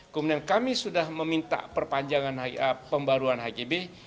kemudian kami sudah meminta perpanjangan pembaruan hgb